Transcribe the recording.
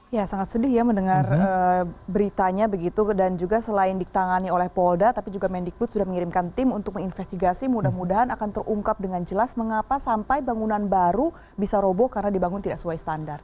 ya sangat sedih ya mendengar beritanya begitu dan juga selain ditangani oleh polda tapi juga mendikbud sudah mengirimkan tim untuk menginvestigasi mudah mudahan akan terungkap dengan jelas mengapa sampai bangunan baru bisa robo karena dibangun tidak sesuai standar